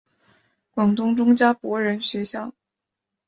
广东中加柏仁学校。